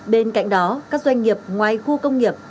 bên cạnh đó các doanh nghiệp ngoài khu công nghiệp